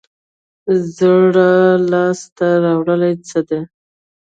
زړه لاس ته راوړل څه دي؟